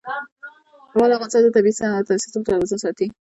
هوا د افغانستان د طبعي سیسټم توازن ساتي.